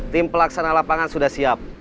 tim pelaksana lapangan sudah siap